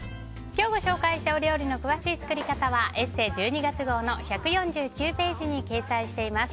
今日、ご紹介したお料理の詳しい作り方は「ＥＳＳＥ」１２月号の１４９ページに掲載しています。